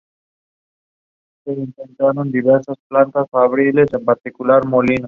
Su madre es pianista y su padre escribano, además de fanático del candombe.